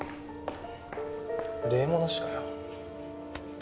礼もなしかよ。